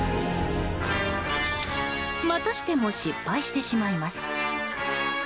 またしても失敗してしまいます。